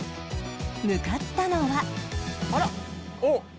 向かったのは